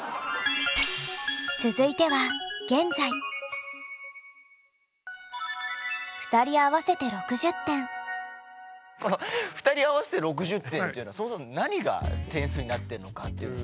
続いてはこの「２人合わせて６０点」っていうのはそもそも何が点数になってるのかっていうのと。